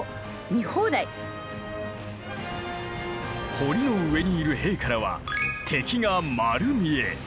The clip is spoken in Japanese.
堀の上にいる兵からは敵が丸見え。